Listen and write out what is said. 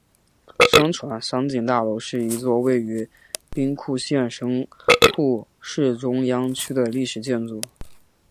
商船三井大楼是一座位于兵库县神户市中央区的历史建筑。